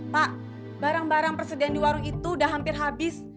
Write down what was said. pak barang barang persediaan di warung itu udah hampir habis